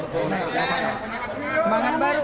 semangat baru kak